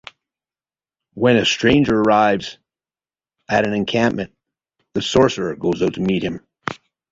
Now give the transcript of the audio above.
When a stranger arrives at an encampment, the sorcerer goes out to meet him.